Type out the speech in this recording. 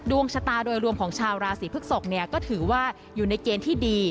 ดวงชะตาโดยรวมของชาวราศีพฤกษกก็ถือว่าอยู่ในเกณฑ์ที่ดี